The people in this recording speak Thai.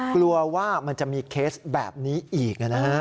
กลัวว่ามันจะมีเคสแบบนี้อีกนะฮะ